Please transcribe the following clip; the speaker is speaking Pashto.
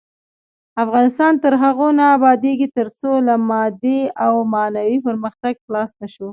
افغانستان تر هغو نه ابادیږي، ترڅو له مادي او معنوي پرمختګ خلاص نشو.